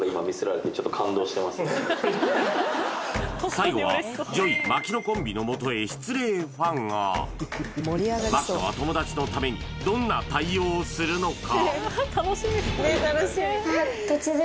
最後はＪＯＹ・槙野コンビのもとへ失礼ファンが槙野は友達のためにどんな対応をするのか？